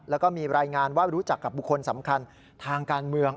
แล้วก็มีรายงานว่ารู้จักกับบุคคลสำคัญทางการเมือง